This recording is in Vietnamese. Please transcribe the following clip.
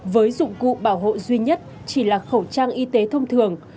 với dụng cụ bảo hộ duy nhất chỉ là khẩu trang y tế thông thường